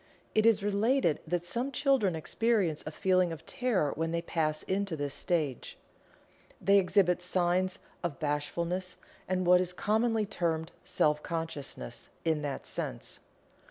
It is related that some children experience a feeling of terror when they pass into this stage. They exhibit signs of bashfulness and what is commonly termed "self consciousness" in that sense.